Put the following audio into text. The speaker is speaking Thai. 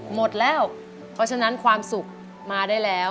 หมดแล้วเพราะฉะนั้นความสุขมาได้แล้ว